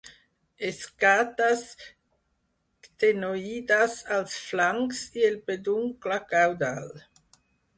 Escates ctenoides als flancs i el peduncle caudal.